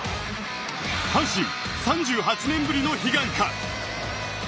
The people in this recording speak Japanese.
阪神、３８年ぶりの悲願か。